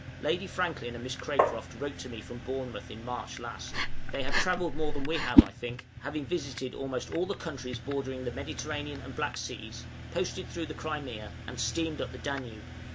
Lady Franklin and Miss Cracroft wrote to me from Bournemouth in March last. They have travelled more than we have, I think, having visited almost all the countries bordering the Mediterranean and Black Seas, posted through the Crimea, and steamed up the Danube!